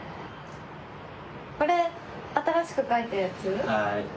これ新しく描いたやつ？